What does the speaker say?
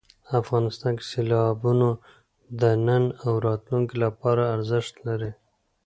افغانستان کې سیلابونه د نن او راتلونکي لپاره ارزښت لري.